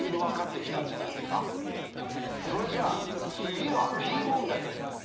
それじゃあ次はＰ問題です。